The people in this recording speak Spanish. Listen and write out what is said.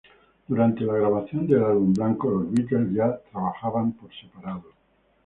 Durante la grabación del Álbum Blanco los Beatles ya trabajaban por separado.